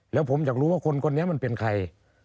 แล้วผมอยากรู้ว่าคนคนนี้มันเป็นใคร